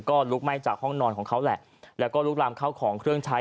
ก็ลุกไหม้จากห้องนอนของเขาแหละแล้วก็ลุกลามเข้าของเครื่องใช้